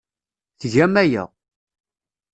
Tgam aya.